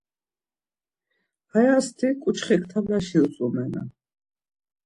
Hayasti ǩuçxektalaşi utzumenan.